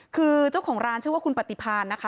คือเจ้าของร้านชื่อว่าคุณปฏิพานนะคะ